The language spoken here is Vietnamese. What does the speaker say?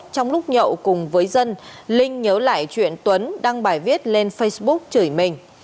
trong lúc nhậu cùng với dân linh nhớ lại chuyện tuấn đăng bài viết lên facebook chửi mình